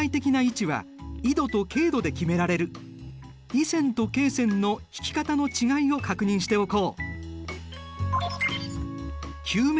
緯線と経線の引き方の違いを確認しておこう。